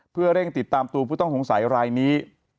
เพื่อเร่งติดตามตัวผู้ต้องสงสัยรายนี้